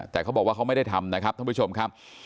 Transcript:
แต่เขาบอกว่าเขาไม่ได้ทำนะครับท่านผู้ชมครับ